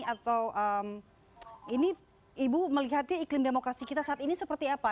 atau ini ibu melihatnya iklim demokrasi kita saat ini seperti apa